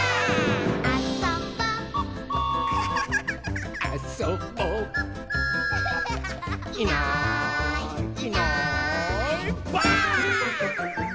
「あそぼ」「あそぼ」「いないいないばあっ！」